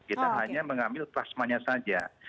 kita hanya mengambil plasmanya saja